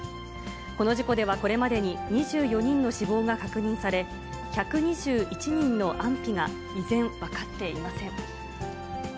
この事故では、これまでに２４人の死亡が確認され、１２１人の安否が依然、分かっていません。